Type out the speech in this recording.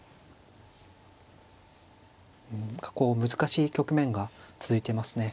うん難しい局面が続いてますね。